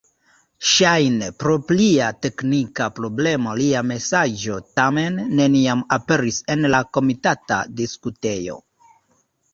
Ŝajne pro plia teknika problemo lia mesaĝo tamen neniam aperis en la komitata diskutejo.